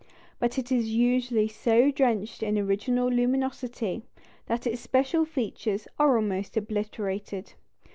But it is usually so drenched in original luminosity, that its special features are almost obliterated.